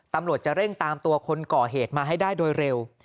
ตำรวจจะเร่งตามตัวคนก่อเหตุมาให้ได้โดยเร็ว